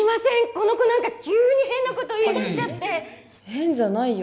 この子何か急に変なこと言いだしちゃって変じゃないよ